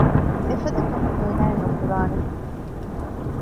އެފަދަ ކަމެއް އޭނާއެއް ނުކުރާނެ